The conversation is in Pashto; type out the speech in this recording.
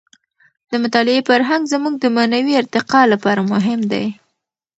د مطالعې فرهنګ زموږ د معنوي ارتقاع لپاره مهم دی.